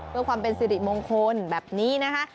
เพื่อความเป็นสิริมงคลแบบนี้นะคะ